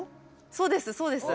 そうですそうです。